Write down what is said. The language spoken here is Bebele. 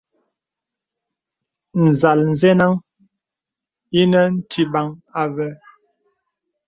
Nzāl zənəŋ ìnə tibaŋ àvé.